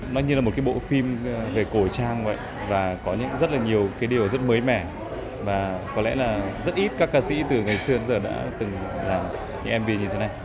nó như là một bộ phim về cổ trang và có rất nhiều điều rất mới mẻ và có lẽ là rất ít các ca sĩ từ ngày xưa đến giờ đã từng làm những mv như thế này